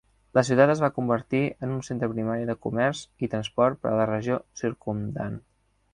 La ciutat es va convertir en un centre primari de comerç i transport per a la regió circumdant.